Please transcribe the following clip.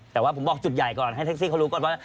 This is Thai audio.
แต่ว่าผมบอกจุดใหญ่ก่อนให้แท็กซี่เขารู้ก่อนว่า